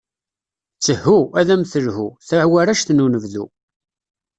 Ttehhu, ad am-telhu, tawaract n unebdu.